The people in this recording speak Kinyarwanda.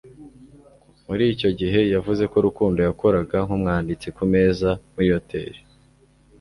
Muri icyo gihe, yavuze ko Rukundo yakoraga nk'umwanditsi ku meza muri hoteri